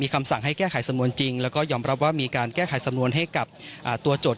คำสั่งให้แก้ไขสำนวนจริงแล้วก็ยอมรับว่ามีการแก้ไขสำนวนให้กับตัวโจทย